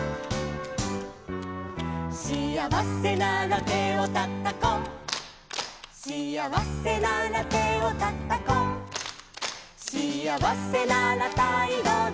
「しあわせなら手をたたこう」「」「しあわせなら手をたたこう」「」「しあわせなら態度でしめそうよ」